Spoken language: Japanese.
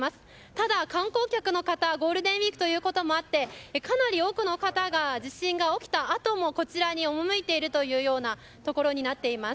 ただ、観光客の方ゴールデンウィークということもあってかなり多くの方が地震が起きたあともこちらに赴いているというところです。